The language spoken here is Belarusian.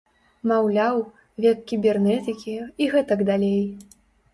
Маўляў, век кібернетыкі і гэтак далей.